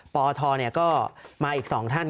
ปทก็มาอีก๒ท่าน